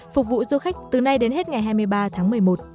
phục vụ du khách từ nay đến hết ngày hai mươi ba tháng một mươi một